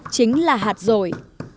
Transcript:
chính là hạt rổi